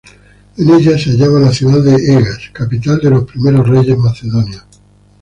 En ella se hallaba la ciudad de Egas, capital de los primeros reyes macedonios.